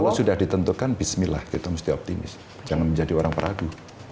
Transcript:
kalau sudah ditentukan bismillah kita mesti optimis jangan menjadi orang peragu